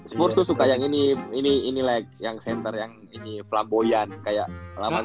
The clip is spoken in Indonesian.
spurs tuh suka yang ini lag yang center yang ini flamboyant kayak lama lama itu